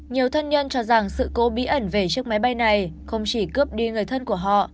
nhiều thân nhân cho rằng sự cố bí ẩn về chiếc máy bay này không chỉ cướp đi người thân của họ